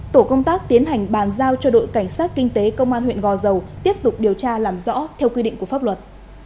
tổ công tác tiến hành bàn giao cho đội cảnh sát kinh tế công an huyện gò dầu tiếp tục điều tra làm rõ theo quy định của pháp luật